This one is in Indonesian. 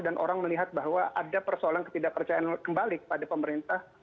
dan orang melihat bahwa ada persoalan ketidakpercayaan kembali pada pemerintah